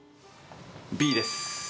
Ｂです